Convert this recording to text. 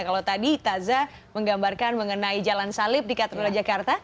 kalau tadi taza menggambarkan mengenai jalan salib di katedral jakarta